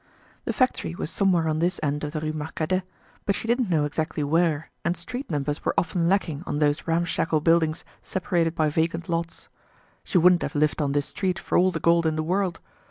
The factory was somewhere on this end of the Rue Marcadet, but she didn't know exactly where and street numbers were often lacking on those ramshackle buildings separated by vacant lots. She wouldn't have lived on this street for all the gold in the world.